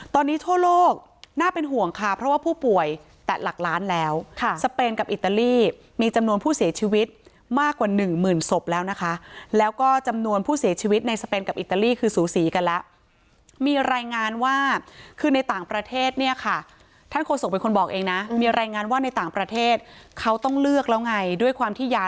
ตอนนี้ทั่วโลกน่าเป็นห่วงค่ะเพราะว่าผู้ป่วยแต่หลักล้านแล้วค่ะสเปนกับอิตาลีมีจำนวนผู้เสียชีวิตมากกว่าหนึ่งหมื่นศพแล้วนะคะแล้วก็จำนวนผู้เสียชีวิตในสเปนกับอิตาลีคือสูสีกันแล้วมีรายงานว่าคือในต่างประเทศเนี่ยค่ะท่านโฆษกเป็นคนบอกเองนะมีรายงานว่าในต่างประเทศเขาต้องเลือกแล้วไงด้วยความที่ยา